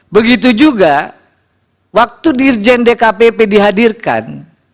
begitu juga waktu dirjen dkpp dihadirkan